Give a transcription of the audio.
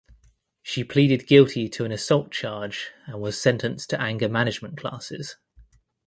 She pleaded guilty to an assault charge and was sentenced to anger management classes.